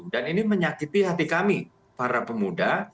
dan ini menyakiti hati kami para pemuda